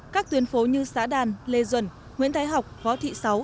các tuyến phố như xã đàn lê duẩn nguyễn thái học võ thị sáu